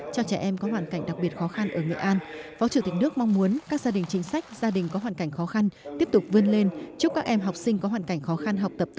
cho trẻ em có hoàn cảnh đặc biệt khó khăn ở nghệ an